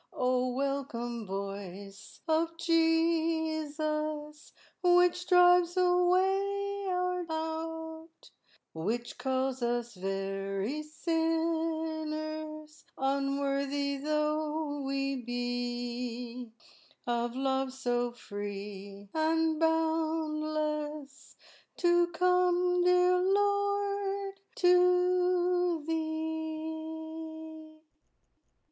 O welcome voice of Jesus, Which drives away our doubt; Which calls us very sinners, Unworthy though we be Of love so free and boundless, To come, dear Lord, to Thee!"